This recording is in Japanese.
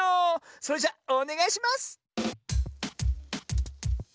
それじゃおねがいします！